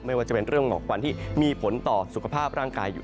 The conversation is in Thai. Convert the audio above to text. ว่าจะเป็นเรื่องหมอกควันที่มีผลต่อสุขภาพร่างกายอยู่